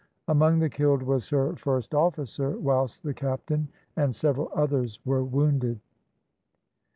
Among the killed was her first officer, whilst the captain and several others were wounded.